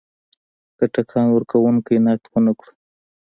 که ټکان ورکونکی نقد ونه کړو.